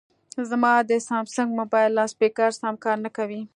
زما د سامسنګ مبایل لاسپیکر سم کار نه کوي